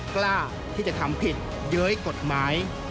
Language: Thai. กล้าที่จะทำผิดเย้ยกฎหมาย